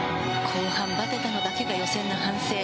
後半バテたのだけが予選の反省。